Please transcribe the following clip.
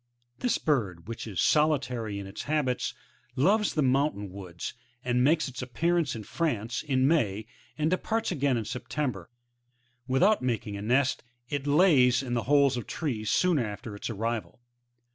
This bird, which is solitary in its habits, loves the mountain woods, and makes its appearance in France, in May, and departs again in September ; without making a nest, it lays in holes in trees soon after its arrival.